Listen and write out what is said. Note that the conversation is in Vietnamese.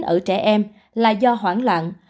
ở trẻ em là do hoảng loạn